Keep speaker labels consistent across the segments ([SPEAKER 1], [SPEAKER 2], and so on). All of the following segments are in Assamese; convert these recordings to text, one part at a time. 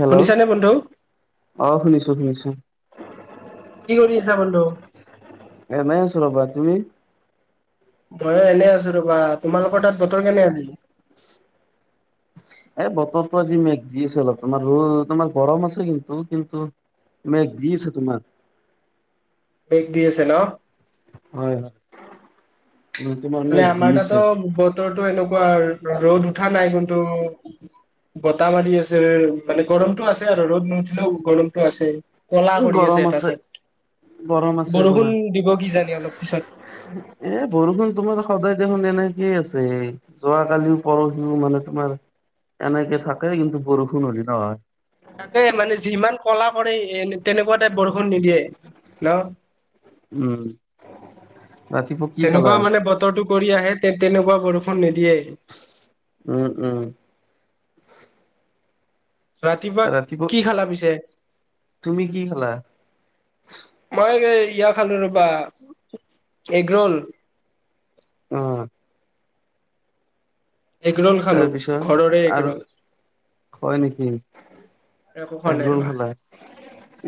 [SPEAKER 1] হেল্ল'
[SPEAKER 2] শুনিছানে বন্ধু
[SPEAKER 1] আহ, শুনিছো, শুনিছো।
[SPEAKER 2] কি কৰি আছা বন্ধু?
[SPEAKER 1] এই নাই আছোৰাবা তুমি?
[SPEAKER 2] ময়ো এনেই আছো ৰ'বা তোমালোকৰ তাত বতৰ কেনে আছিল।
[SPEAKER 1] এই বতৰটো আজি মেঘজি আছে অলপ তোমাৰ ৰ তোমাৰ গৰম আছে, কিন্তু, কিন্তু তমাৰ এক জীছ হ, তোমাৰ
[SPEAKER 2] মেগ দিয়ছে ন।
[SPEAKER 1] হয় হয় তোমাৰ
[SPEAKER 2] মানে
[SPEAKER 1] মেঘ দি
[SPEAKER 2] আমাৰ
[SPEAKER 1] আছে
[SPEAKER 2] তাতো বতৰৰতো এনেকুৱা ৰ'দ উঠা নাই কিন্তু। বতাহ মাৰি আছে, মানে গৰমতটো আছে আৰু ৰ'দ নুঠিলেও গৰমতটো আছে। কলা
[SPEAKER 1] উম,
[SPEAKER 2] কৰি
[SPEAKER 1] গৰম
[SPEAKER 2] আছে, এটা চাইদ।
[SPEAKER 1] গৰম আছে, তোমাৰ
[SPEAKER 2] অলপ পিছত
[SPEAKER 1] এ, বৰষুণ তোমাৰ। সদায় দেখোন এনেকেই আছে। যোৱাকালিও পৰহিও মানে তোমাৰ। এনেকে থাক, কিন্তু বৰষুণ হ'ল ন হয়।
[SPEAKER 2] তাকে মানে যিমান কলা কৰে এ, তেনেকুৱা টাই বৰষুণ নিদিয়ে ন।
[SPEAKER 1] উম, ৰাতিপুৱা কি খালা?
[SPEAKER 2] তেনেকুৱা মানে বতৰটো কৰি আহে তে, তেনেকুৱা বৰষুণ নিদিয়ে।
[SPEAKER 1] উম উম
[SPEAKER 2] ৰাতিপুৱা কি খালা পিছে?
[SPEAKER 1] তুমি কি খালা
[SPEAKER 2] মই ইয়া খালো ৰ'বা এগ ৰোল।
[SPEAKER 1] অ'।
[SPEAKER 2] এগৰল খালো
[SPEAKER 1] তাৰ পিছত
[SPEAKER 2] ঘৰৰে
[SPEAKER 1] আৰু
[SPEAKER 2] এগৰল
[SPEAKER 1] হয়, নেকি।
[SPEAKER 2] একো খোৱা নাই
[SPEAKER 1] এগৰোল
[SPEAKER 2] ৰবা
[SPEAKER 1] খালা।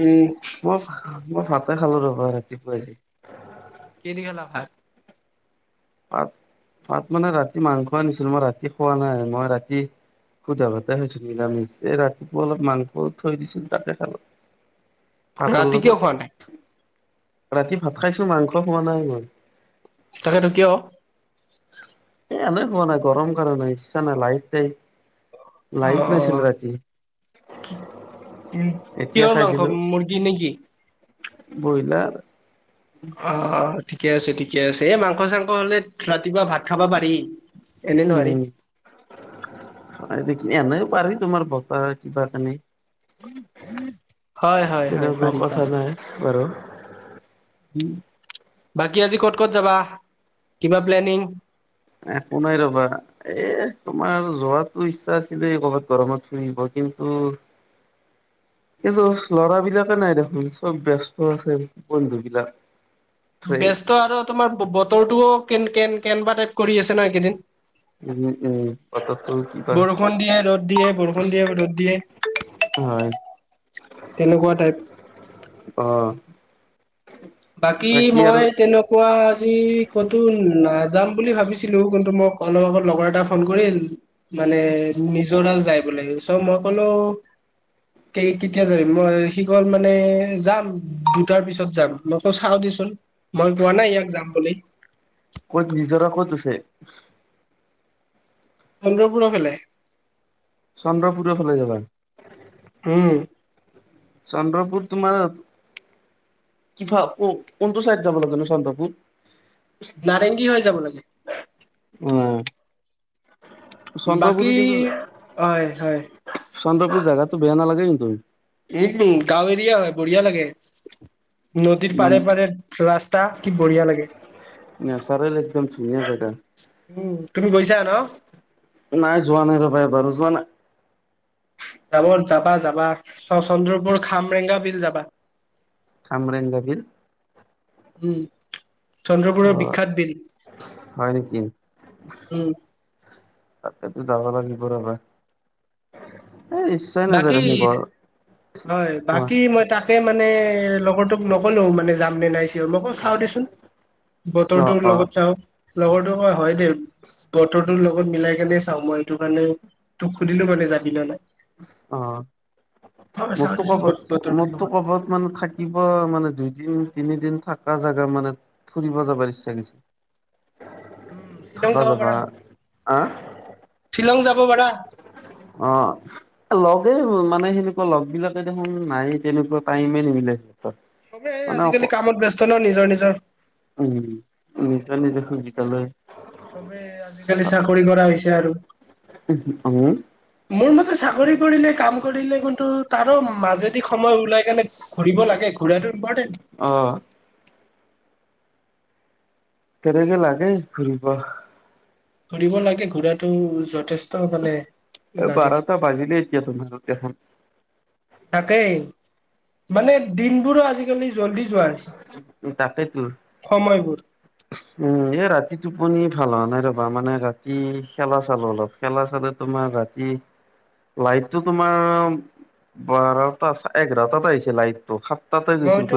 [SPEAKER 2] উম
[SPEAKER 1] মই ভাতে খালো ৰবা ৰাতিপুৱাই।
[SPEAKER 2] কিহেদি খালা ভাত?
[SPEAKER 1] পাত ভাত মানে ৰাতি মাংস আনিছিলো, মই ৰাতি খোৱা নাই মই ৰাতি সুধা ভাতে খাইছোঁ, নিৰামিছ ৰাতিপুৱা অলপ মাংস থৈ দিছিলো তাতে খালোঁ। ভাতৰ
[SPEAKER 2] ৰাতি কিয়
[SPEAKER 1] লগত
[SPEAKER 2] খোৱা নাই
[SPEAKER 1] ৰাতি ভাত খাইছো, মাংস খোৱা নাই, মই।
[SPEAKER 2] তাকেতো কিয়।
[SPEAKER 1] এ, এনে, হোৱা নাই, গৰম কাৰণে ইচ্ছা নাই লাইট লাইট
[SPEAKER 2] অ
[SPEAKER 1] নাছিল ৰাতি।
[SPEAKER 2] উ,
[SPEAKER 1] এতিয়া
[SPEAKER 2] কিহৰ মাংস, মুৰ্গী নেকি।
[SPEAKER 1] বইলাৰ।
[SPEAKER 2] অ, ঠিকে আছে, ঠিকে আছে, এ, মাংস, চাংস হলে ৰাতিপুৱা ভাত খাবা পাৰি এনে নোৱাৰি।
[SPEAKER 1] উম এনেও পাৰি তোমাৰ বতা কিবা, কানি
[SPEAKER 2] হয় হয় হয়
[SPEAKER 1] তেনেকুৱা
[SPEAKER 2] পাৰি
[SPEAKER 1] কথা
[SPEAKER 2] পাৰি
[SPEAKER 1] নাই বাৰু।
[SPEAKER 2] উ, বাকী আজি ক'ত, ক'ত যাবা কিবা প্লেনিং।
[SPEAKER 1] একো নাই ৰ'বা এ, তোমাৰ যোৱাতো ইচ্ছা আছিলে কৰ'বাত গৰমত ফুৰিব। কিন্তু
[SPEAKER 2] [inaudible]
[SPEAKER 1] কিন্তু ল'ৰাবিলাকে নাই দেখোন চব ব্যস্ত আছে বন্ধু বিলাক।
[SPEAKER 2] ব্যস্ত আৰু তোমাৰ বতৰটোও কে, কে, কেনবা টাইপ কৰি আছে ন এইকেইদিন
[SPEAKER 1] উম, উম। কথাটো কিবা
[SPEAKER 2] বৰষুণ দিয়ে ৰ'দ দিয়ে বৰষুণ দিয়ে ৰ'দ দিয়ে
[SPEAKER 1] হয়।
[SPEAKER 2] তেনেকুৱা টাইপ
[SPEAKER 1] অ',
[SPEAKER 2] বাকী মই তেনেকুৱা আজি ক'তো নাযাম বুলি ভাবিছিলোঁ কিন্তু মই অলপ আগত লগৰ এটা ফোন কৰিল মানে নিজৰা যাই বলে চ মই কলো কেতিয়া যাবি মই সি গ'ল মানে যাম দুটাৰ পিছত যাম মকো চাও দিচোন মই গোৱা নাই ইয়াক যাম বুলি
[SPEAKER 1] ক'ত নিজৰা ক'ত আছে
[SPEAKER 2] চন্দ্ৰপুৰৰ ফালে
[SPEAKER 1] চন্দ্ৰপুৰৰ ফালে যাবা
[SPEAKER 2] উম
[SPEAKER 1] চন্দ্ৰপুৰ তোমাৰ কি ভা কোনটো চাইড যাব লাগে চন্দ্ৰপুৰ
[SPEAKER 2] নাৰেংগী হৈ যাব লাগে বাকী
[SPEAKER 1] চন্দ্ৰপুৰো কিন্তু
[SPEAKER 2] হয় হয়
[SPEAKER 1] চন্দ্ৰপুৰ জাগাটো বেয়া নালাগে [unintelligible]
[SPEAKER 2] এই গাঁও এৰিয়া হয় বঢ়িয়া লাগে নদীৰ
[SPEAKER 1] ইমান
[SPEAKER 2] পাৰে পাৰে ৰাস তা কি বঢ়িয়া লাগে
[SPEAKER 1] নেচাৰেল একদম ধুনীয়া জাগা
[SPEAKER 2] উম তুমি গৈছা ন
[SPEAKER 1] নাই যোৱা নাই এবাৰো ৰবা যোৱা নাই
[SPEAKER 2] যাব যাবা যাবা চন্দ্ৰপুৰ খামৰেঙা বিল যাবা
[SPEAKER 1] কামৰে ইন্টাৰভিউ
[SPEAKER 2] উম, চন্দ্ৰপুৰৰ
[SPEAKER 1] অ',
[SPEAKER 2] বিখ্যাত বিল
[SPEAKER 1] হয়
[SPEAKER 2] উম
[SPEAKER 1] তাতে যাব লাগিব ৰবা এ ইচ্ছাই নাযায়
[SPEAKER 2] বাকী
[SPEAKER 1] দেখোন গৰ
[SPEAKER 2] হয়
[SPEAKER 1] অ',
[SPEAKER 2] বাকী মই তাকে মানে লগৰ তোক নকলো মানে যাম নে নাই চিওৰ ম‌ই ক‌ও চাওঁ দে চোন
[SPEAKER 1] অ',
[SPEAKER 2] বতৰটোৰ
[SPEAKER 1] অ',
[SPEAKER 2] লগত চাওঁ লগৰটো ক‌ই হয় দে বতৰ টোৰ লগত মিলাই কেনে চাওঁ মই সেইটো কাৰণে তোক সুধিলো মানে যাবি নে নাই
[SPEAKER 1] অ',
[SPEAKER 2] চাও
[SPEAKER 1] মোৰতো
[SPEAKER 2] দেচোন বত-
[SPEAKER 1] ক'বাত
[SPEAKER 2] বতৰটোৰ
[SPEAKER 1] মোৰতো
[SPEAKER 2] লগত
[SPEAKER 1] ক'বাত মানে থাকিব মানে দুইদিন তিনিদিন থাক থাকা জাগা মানে ফুৰিব যাবৰ ইচ্ছা গিছি
[SPEAKER 2] উম শ্বিলং যাব পাৰা
[SPEAKER 1] আহ
[SPEAKER 2] শ্বিলং যাব পাৰা
[SPEAKER 1] অ', লগেই মানে সেনেকুৱা লগ বিলাকে দেখোন নাই তেনেকুৱা টাইমে নিমিলে সিহঁতৰ।
[SPEAKER 2] চবেই
[SPEAKER 1] মানে অক
[SPEAKER 2] আজিকালি কামত ব্যস্ত ন নিজৰ নিজৰ
[SPEAKER 1] উম নিজৰ নিজে সুবিধা লৈ
[SPEAKER 2] চবে আজিকালি চাকৰি কৰা হৈছে আৰু
[SPEAKER 1] উ,
[SPEAKER 2] মোৰ মতে চাকৰি কৰিলে কাম কৰিলে কিন্তু তাৰো মাজেদি সময় ওলাই কেনে ঘুৰিব লাগে ঘুৰাটো
[SPEAKER 1] অহ' তেনেকে লাগে ঘৰিব
[SPEAKER 2] ঘূৰিব লাগে ঘূৰাতটো যথেষ্ট মানে
[SPEAKER 1] এই
[SPEAKER 2] লাগে
[SPEAKER 1] বাৰটা বাজিলে এতিয়া দেখুন
[SPEAKER 2] তাকেই মানে দিনবোৰো আজিকালি জল্দি যোৱা হৈছে
[SPEAKER 1] উ তাকেইতো
[SPEAKER 2] সময়বোৰ
[SPEAKER 1] উম এ ৰাতি তু তুপনি ভাল হোৱা নাই ৰবা মানে ৰাতি খেলা চালো অলপ খেলা চালো তোমাৰ ৰাতি লাইনটো তোমাৰ বাৰটা এঘাৰটাত আহিছে লাইন টো সাত তাতেই গৈছিল
[SPEAKER 2] মইতো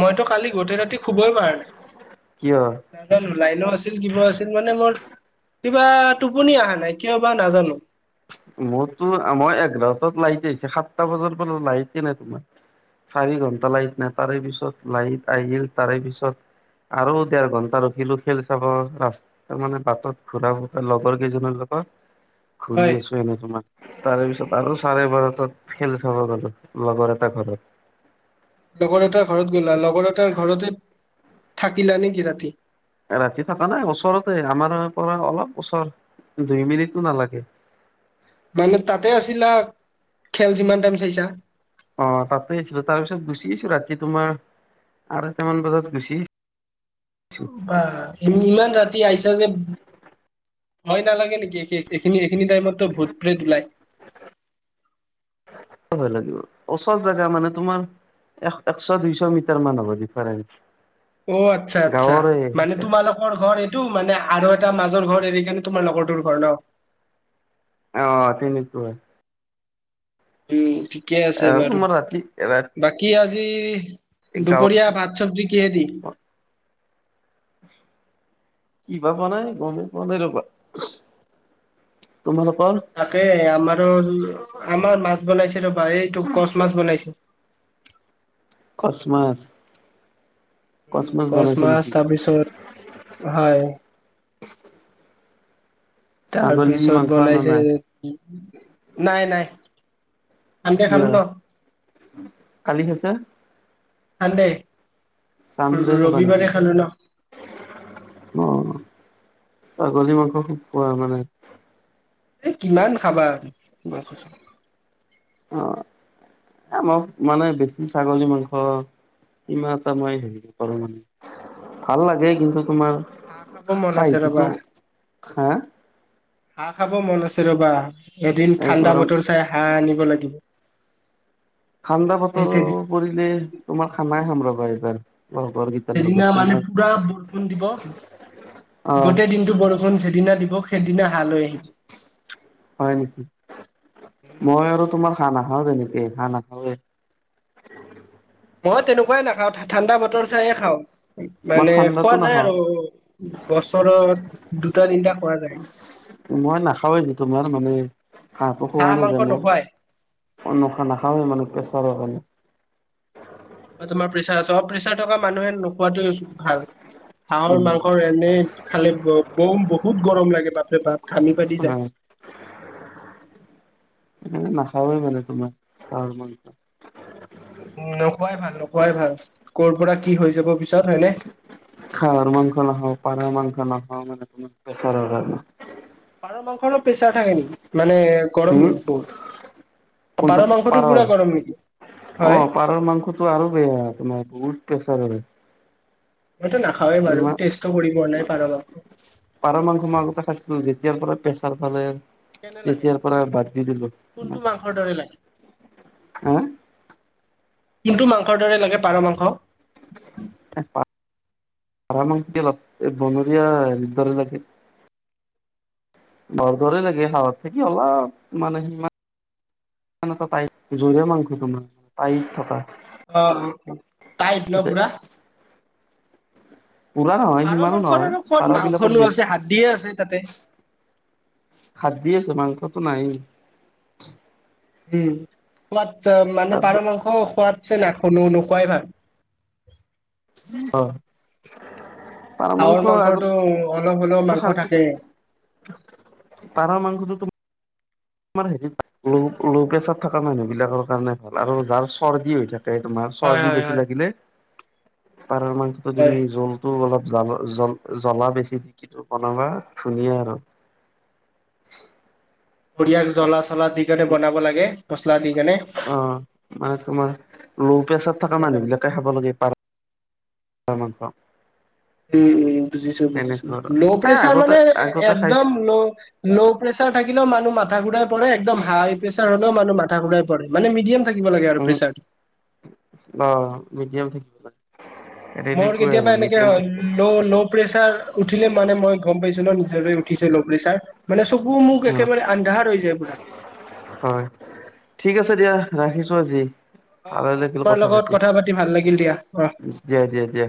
[SPEAKER 2] মইতো কালি গোটেই ৰাতি শুবই পৰা নাই
[SPEAKER 1] কিয়
[SPEAKER 2] নাজানোঁ। লাইনো আছিল কিবা আছিল মানে মোৰ কিবা টোপনি আহা নাই কিয় বা নাজানোঁ।
[SPEAKER 1] মোৰতো মই এঘাৰটাত লাইন আহিছে সাতটা বজাৰ পৰা লাইন এ নাই তোমাৰ। চাৰি ঘন্টা লাইন‌ নাই তাৰে পিছত লাইন আহিল তাৰে পিছত। আৰু দেৰ ঘন্টা ৰখিলোঁ খেল চাব ৰাস্তা মানে বাটত ঘুৰা লগৰ কেইজনৰ লগত। [unintelligible] ঘূৰি
[SPEAKER 2] হয়
[SPEAKER 1] আছোঁ। তাৰেপিছত আৰু চাৰে বাৰটাত খেল চাব গলোঁ লগৰ এটা ঘৰত।
[SPEAKER 2] লগৰ এটাৰ ঘৰত গ'লা লগৰ এটাৰ ঘৰতে থাকিলা নেকি ৰাতি।
[SPEAKER 1] ৰাতি থকা নাই ওচৰতে আমাৰ এৰে পৰা অলপ ওচৰ। দুই মিনিটটো নালাগে।
[SPEAKER 2] মানে তাতে আছিলা খেল যিমান টাইম চাইছা।
[SPEAKER 1] অ তাতে আছিলোঁ তাৰপিছত গুচি আহিছোঁ ৰাতি তোমাৰ। আৰাইটামান বজাত গুছি।
[SPEAKER 2] বা ইমান ৰাতি আহিছা যে। ভয় নালাগে নেকি এইখিনি, এইখিনি টাইমতটো ভূত প্ৰেত ওলাই। [unintelligible]
[SPEAKER 1] কিয় ভয় লাগিব ওচৰ জাগা মানে তোমাৰ। এক একশ দুইশ মিটাৰ মান হ'ব ডিফাৰেন্ঞ্চ।
[SPEAKER 2] অ আচ্ছা আচ্ছা মানে তোমালোকৰ ঘৰ। [unintelligible] মানে আৰু এটা মাজৰ ঘৰ এৰি কেনে তোমাৰ লগৰটোৰ ঘৰ নহ।
[SPEAKER 1] অ তেনেকুৱাই।
[SPEAKER 2] উম ঠিকে আছে
[SPEAKER 1] আহ
[SPEAKER 2] বাৰু
[SPEAKER 1] তোমাৰ ৰাতি ৰাতি
[SPEAKER 2] বাকী আজ জি
[SPEAKER 1] গাঁৱত
[SPEAKER 2] দুপৰীয়া ভাত চব্জি কিহেদি।
[SPEAKER 1] কিবা পোৱা নাই গমেই পোৱা নাই ৰৱা।
[SPEAKER 2] তাকে আমাৰো। [unintelligible] আমাৰ মাছ বনাইছে ৰবা এইটো কচ মাছ বনাইছে।
[SPEAKER 1] কচ মাছ।
[SPEAKER 2] উম কচ মাছ তাৰপিছত হয়।
[SPEAKER 1] ছাগলী
[SPEAKER 2] তাৰপিছত
[SPEAKER 1] মাংস অনা
[SPEAKER 2] বনাইছে
[SPEAKER 1] নাই
[SPEAKER 2] নাই নাই। চানডে
[SPEAKER 1] কি
[SPEAKER 2] খালো ন
[SPEAKER 1] হয় কালি খাইছে।।
[SPEAKER 2] খালে।
[SPEAKER 1] চান্দে খাবা নেকি অ। ছাগলী মাংস খুব খোৱা মানে।
[SPEAKER 2] এ কিমান খাবা মাংস। [unintelligible]
[SPEAKER 1] অ এ মোক মানে বেছি ছাগলী মাংস। ইমান এটা মই হেৰি নকৰোঁ মানে। ভাল লাগে
[SPEAKER 2] এতিয়া
[SPEAKER 1] কিন্তু তোমাৰ
[SPEAKER 2] হাঁহ হাঁহ খাব মন আছে
[SPEAKER 1] খাহিত
[SPEAKER 2] ৰবা
[SPEAKER 1] যিটো হা।
[SPEAKER 2] হাঁহ খাব মন আছে ৰ'ৱা এদিন
[SPEAKER 1] এই
[SPEAKER 2] ঠাণ্ডা
[SPEAKER 1] গৰম
[SPEAKER 2] বতৰ চাই হাঁহ আনিব লাগিব।
[SPEAKER 1] ঠাণ্ডা বতৰো
[SPEAKER 2] সেই
[SPEAKER 1] পৰিলে তোমাৰ খানাই খাব ৰ'ৱা এইবাৰ। লগৰ কেইটাৰ লগত
[SPEAKER 2] সেইদিনা মানে
[SPEAKER 1] তোমাৰ
[SPEAKER 2] পুৰা বৰষুণ দিব
[SPEAKER 1] অ
[SPEAKER 2] গোটেই দিনটো বৰষুণ সেইদিনা দিব। দিনা হাঁহ লৈ আহিম।
[SPEAKER 1] হয় নেকি মই আৰু তোমাৰ হাঁহ নাখাওঁ তেনেক এ হাঁহ নাখাওঁয়ে।
[SPEAKER 2] মই তেনেকুৱাই নাখাওঁ ঠাণ্ডা বতৰ চাইয়ে খাওঁ
[SPEAKER 1] মই
[SPEAKER 2] মানে খোৱা
[SPEAKER 1] ঠাণ্ডাতো
[SPEAKER 2] যায়
[SPEAKER 1] নাখাওঁ
[SPEAKER 2] আৰু বছৰত দুটা তিনিটা। খোৱা যায়
[SPEAKER 1] মই নাখাওঁয়ে তোমাৰ মানে হাঁহটো
[SPEAKER 2] হাঁহ
[SPEAKER 1] খোৱাই
[SPEAKER 2] মাংস
[SPEAKER 1] নাযায় মোৰ।
[SPEAKER 2] নোখোৱাই
[SPEAKER 1] [unintelligible] নাখাওঁৱে মানে প্ৰেছাৰৰ কাৰণে।
[SPEAKER 2] তোমাৰ প্ৰেছাৰ আছে অ প্ৰেচাৰ থকা মানুহে নোখোৱাটোৱে ভাল
[SPEAKER 1] উম
[SPEAKER 2] হাঁহৰ মাংসৰ এনেই। খালে ব-বম বহুত গৰম লাগে বাপৰে বাপ ঘামি ফাতি যায়।
[SPEAKER 1] হয় [unintelligible] নাখাওঁৱে মানে তোমাৰ হাঁহৰ মাংস।
[SPEAKER 2] নোখোৱাই ভাল নোখোৱাই ভাল কৰ পৰা কি হৈ যাব পিছত হয়নে?
[SPEAKER 1] হাঁহৰ মাংস নাখাওঁ পাৰাৰ মাংস নখাওঁ মানে প্ৰেচাৰ কাৰণে।
[SPEAKER 2] ৰ মাংসৰ প্ৰেছাৰ থাকে নি মানে গৰম
[SPEAKER 1] উম
[SPEAKER 2] নে বহুত। পাৰ
[SPEAKER 1] কোনটো
[SPEAKER 2] মাংসটো
[SPEAKER 1] পাৰৰ।
[SPEAKER 2] পুৰা গৰম নেকি
[SPEAKER 1] অ
[SPEAKER 2] হয়
[SPEAKER 1] পাৰৰ মাংসটো আৰু বেয়া তোমাৰ বহুত প্ৰেছাৰৰে।
[SPEAKER 2] মইতো নাখাওৱেই বাৰু
[SPEAKER 1] ইমান-
[SPEAKER 2] টেষ্টো কৰি পোৱা নাই পাৰ মাংস
[SPEAKER 1] পাৰ মাংস আগতে খছিলো যে যেতিয়াৰ পৰা প্ৰেছাৰ পালে
[SPEAKER 2] কেনে লাগে
[SPEAKER 1] তেতিয়াৰ পৰা বাদ দি দিলো। উম
[SPEAKER 2] কোনটো মাংসৰ দৰে লাগে কোনটো মাংসৰ দৰে লাগে পাৰ মাংস?
[SPEAKER 1] [unintelligible] এই বনৰীয়া হেৰিৰ দৰে লাগে। বৰ দৰে লাগে হাঁহত থাকি অলপ মানে সিমান তাইত জৰিয়া মাংস তোমাৰ, তাইত থকা।
[SPEAKER 2] অ অ অ তাইত ন
[SPEAKER 1] থাকে
[SPEAKER 2] পুৰা।
[SPEAKER 1] পুৰা নহয়,
[SPEAKER 2] পাৰ
[SPEAKER 1] সিমানো
[SPEAKER 2] মাংসৰ
[SPEAKER 1] নহয়,
[SPEAKER 2] আৰু ক'ত
[SPEAKER 1] পাৰ বিলাকৰ
[SPEAKER 2] মাংসনো
[SPEAKER 1] বেছ
[SPEAKER 2] আছে হাদ্দিয়ে আছে তাতে।
[SPEAKER 1] হাদ্দি দ আছে মাংসটো নাই।
[SPEAKER 2] উম সোৱাদ মানে
[SPEAKER 1] তাত
[SPEAKER 2] পাৰ মাংস সোৱাদ চে নাখ-নো-নখোৱাই ভাল।
[SPEAKER 1] অ।
[SPEAKER 2] হাঁহৰ মাংসটো অলপ হলেও মাংস
[SPEAKER 1] খাইছো
[SPEAKER 2] থাকে।
[SPEAKER 1] পাৰ মাংসটো তম আমাৰ হেৰিত ল ল' প্ৰেচাৰ থকা মানুহ বিলাকৰ কাৰণে ভাল আৰু যাৰ চৰ্দি হৈ থাকে তোমাৰ
[SPEAKER 2] হয়
[SPEAKER 1] চৰ্দি
[SPEAKER 2] হয়
[SPEAKER 1] বেছি
[SPEAKER 2] হয়।
[SPEAKER 1] লাগিলে পাৰৰ মাংসটো
[SPEAKER 2] হয়
[SPEAKER 1] তুমি জলটো অলপ জ-জ-জ্বলা বেছি দি কি বনাবা ধুনীয়া আৰু।
[SPEAKER 2] বঢ়িয়া জ্বলা-চলা দি কিনে বনাব লাগে মছলা দি কেনে।
[SPEAKER 1] অ মানে তোমাৰ ল' প্ৰেছাৰ থকা
[SPEAKER 2] বঢ়িয়া
[SPEAKER 1] মানুহ
[SPEAKER 2] লাগে।
[SPEAKER 1] বিলাকে খাব লাগে পাৰ [unintelligible]
[SPEAKER 2] উম উ বুজিছো বুজিছো।
[SPEAKER 1] তেনেকুৱা আৰু
[SPEAKER 2] ল'
[SPEAKER 1] এ
[SPEAKER 2] প্ৰেছাৰ
[SPEAKER 1] আগতে
[SPEAKER 2] মানে
[SPEAKER 1] আগতে খাইছো
[SPEAKER 2] একদম ল ল' প্ৰেছাৰ থাকিলে মানুহ মাথা ঘূৰাই পৰে, একমত হাই প্ৰেছাৰ হলেও মানুহ মাথা ঘূৰাই পৰে। মানে মিডিয়াম থাকিব লাগে আৰু
[SPEAKER 1] উম
[SPEAKER 2] প্ৰেচাৰটো।
[SPEAKER 1] অ মিডিয়াম থাকিব লাগে
[SPEAKER 2] মোৰ
[SPEAKER 1] তেনেকুৱাই আৰু
[SPEAKER 2] কেতিয়াবা এনেকে
[SPEAKER 1] মিডিয়াম
[SPEAKER 2] হয়
[SPEAKER 1] থাকিব
[SPEAKER 2] ল-ল' প্ৰেচাৰ উঠিলে মানে মই গম পাইছলো ন-নিজৰে উঠিছ যে ল প্ৰেচাৰ মানে চকু মোক
[SPEAKER 1] অ
[SPEAKER 2] একেবাৰে আন্ধাৰ হৈ যায় পুৰা।
[SPEAKER 1] হয় ঠিক দিয়া ৰাখিছো আজি।
[SPEAKER 2] অ অ তোমাৰ লগত কথা পাতি ভাল লাগিল দিয়া আহ। [inaudible]
[SPEAKER 1] দিয়া দিয়া দিয়া